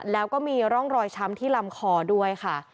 แล้วก็มีร่องรอยช้ำที่ลำคอด้วยค่ะ